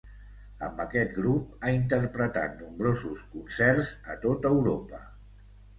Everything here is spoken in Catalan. Amb aquest grup ha interpretat nombrosos concerts a tot Europa.